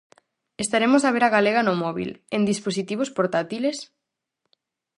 Estaremos a ver a Galega no móbil, en dispositivos portátiles?